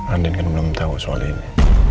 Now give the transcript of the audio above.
anda kan belum tahu soal ini